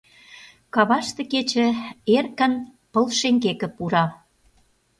Каваште кече эркын пыл шеҥгеке пура.